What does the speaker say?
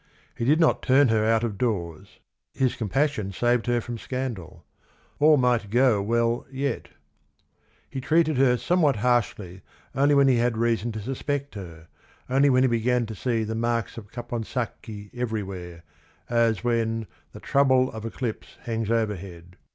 He did not turn her out of doors ; his compassion saved her from scandal. "All might go well yet." He treated her somewhat harshly only when he had reason to suspect her, only when he began to see the marks of Capon sacchi everywhere, as when "the trouble of eclipse hangs overhead."